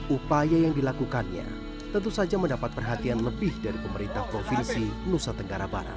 upaya yang dilakukannya tentu saja mendapat perhatian lebih dari pemerintah provinsi nusa tenggara barat